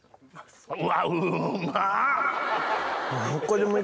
うわうま。